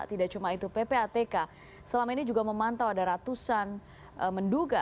tidak cuma itu ppatk selama ini juga memantau ada ratusan menduga